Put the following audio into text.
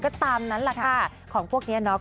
ก็ตามนั้นแหละค่ะของพวกนี้เนาะ